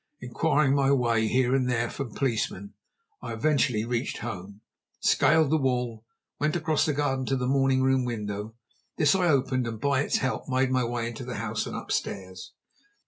Inquiring my way here and there from policemen, I eventually reached home, scaled the wall, and went across the garden to the morning room window. This I opened, and by its help made my way into the house and upstairs.